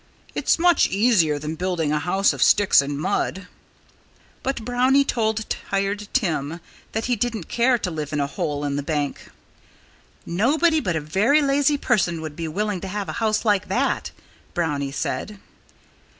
It's much easier than building a house of sticks and mud." But Brownie told Tired Tim that he didn't care to live in a hole in the bank. "Nobody but a very lazy person would be willing to have a house like that," Brownie said.